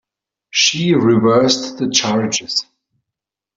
She reversed the charges.